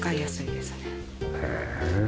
へえ。